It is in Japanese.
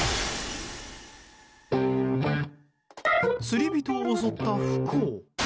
釣り人を襲った不幸。